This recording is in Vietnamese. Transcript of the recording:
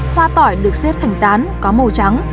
hoa tỏi được xếp thành tán có màu trắng